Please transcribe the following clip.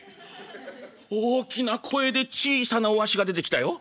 「大きな声で小さなおアシが出てきたよ。